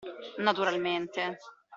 Naturalmente.